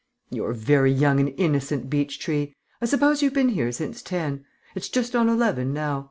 "You're very young and innocent, Beechtree. I suppose you've been here since ten. It's just on eleven now.